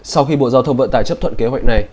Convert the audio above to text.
sau khi bộ giao thông vận tải chấp thuận kế hoạch này